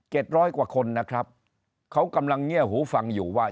ร้อยกว่าคนนะครับเขากำลังเงียบหูฟังอยู่ว่า